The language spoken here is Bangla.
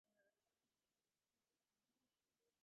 আমাদেরকে তখন আর ঘোড়া বেচতে হবে না।